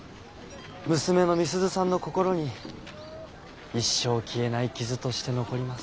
娘の美鈴さんの心に一生消えない傷として残ります。